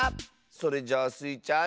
それじゃあスイちゃん